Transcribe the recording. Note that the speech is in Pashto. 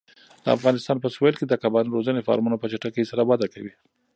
د افغانستان په سویل کې د کبانو روزنې فارمونه په چټکۍ سره وده کوي.